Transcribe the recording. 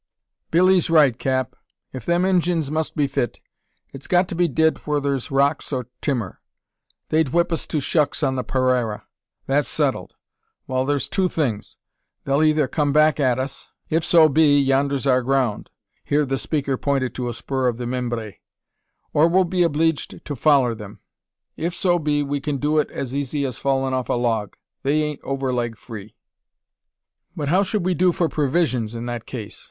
"Billee's right, cap. If them Injuns must be fit, it's got to be did whur thur's rocks or timmer. They'd whip us to shucks on the paraira. That's settled. Wal, thur's two things: they'll eyther come at us; if so be, yander's our ground," (here the speaker pointed to a spur of the Mimbres); "or we'll be obleeged to foller them. If so be, we can do it as easy as fallin' off a log. They ain't over leg free." "But how should we do for provisions, in that case?